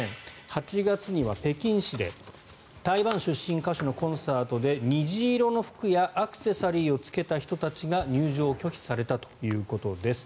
８月には北京市で台湾出身歌手のコンサートで虹色の服やアクセサリーをつけた人たちが入場を拒否されたということです。